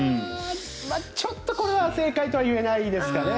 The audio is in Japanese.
ちょっと、これは正解とは言えないですかね。